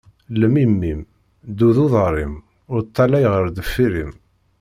Llem imi-im, ddu d uḍar-im, ur ṭalay ɣer deffir-m.